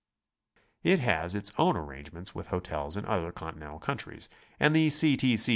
It has its own arrangements wkh hotels in other Continental countries, and the C. T. C.